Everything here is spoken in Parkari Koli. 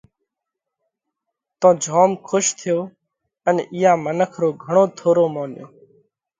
تو جوم کُش ٿيو ان اِيئا منک رو گھڻو ٿورو مونيو۔